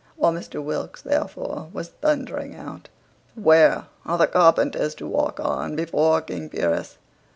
While Mr Wilks, therefore, was thundering out, "Where are the carpenters to walk on before King Pyrrhus?"